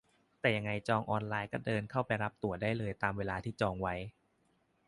แต่ยังไงจองออนไลน์ก็เดินเข้าไปรับตั๋วได้เลยตามเวลาที่จองไว้